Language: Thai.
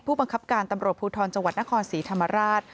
ผู้บังคับการตำรวจพนทสีธรรมาราช